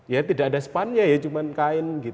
ya tidak ada spannya ya cuma kain